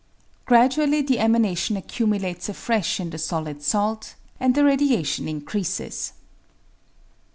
Gradually the emanation accumulates afresh in the solid salt, and the radiation increases.